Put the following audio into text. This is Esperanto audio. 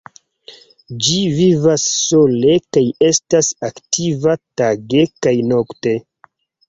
Ĝi vivas sole kaj estas aktiva tage kaj nokte.